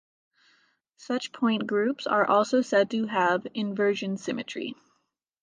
Such point groups are also said to have "inversion" symmetry.